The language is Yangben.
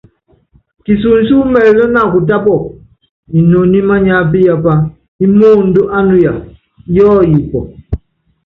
Kisunsɔ́ mɛ́ɛ́lɛ́ na kutápukɔ, inoni mániápíyapá ímóóndó ánuya yɔɔyipɔ.